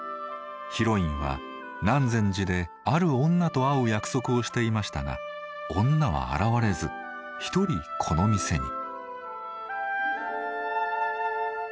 ヒロインは南禅寺である女と会う約束をしていましたが女は現れず一人この店に。